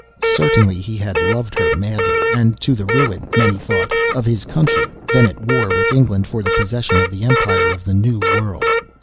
Certainly he had loved her madly, and to the ruin, many thought, of his country, then at war with England for the possession of the empire of the New World.